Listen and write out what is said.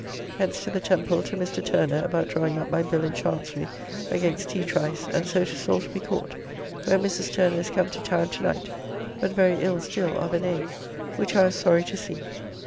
Hence to the Temple to Mr. Turner about drawing up my bill in Chancery against T. Trice, and so to Salisbury Court, where Mrs. Turner is come to town to night, but very ill still of an ague, which I was sorry to see.